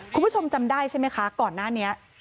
คุณผู้ชมจำได้ใช่ไหมคะก่อนหน้านี้